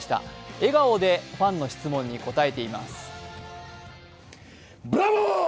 笑顔でファンの質問に答えています。